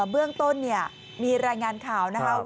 เบื้องต้นเนี่ยมีรายงานข่าวนะคะ